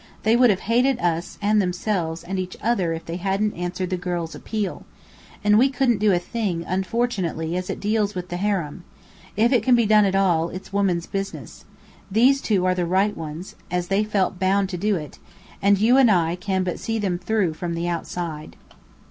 They would have hated us and themselves and each other if they hadn't answered the girl's appeal. And we couldn't do the thing, unfortunately, as it deals with the harem. If it can be done at all, it's woman's business. These two are the right ones, as they felt bound to do it, and you and I can but see them through, from the outside."